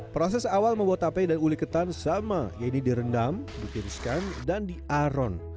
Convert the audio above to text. proses awal membawa tape dan uli ketan sama yaitu direndam ditiriskan dan diarun